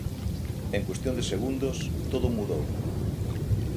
En cuestión de segundos, todo mudou.